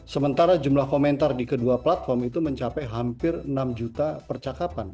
sementara jumlah komentar di kedua platform itu mencapai hampir enam juta percakapan